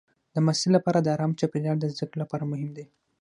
د محصل لپاره ارام چاپېریال د زده کړې لپاره مهم دی.